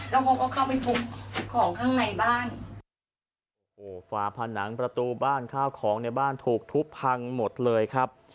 แล้วเขาก็เข้าไปทุบของข้างในบ้านโอ้ฝาผนังประตูบ้านข้าวของในบ้านถูกทุบพังหมดเลยครับ